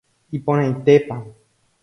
Iporãitépa